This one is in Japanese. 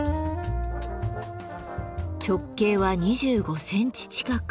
直径は２５センチ近く。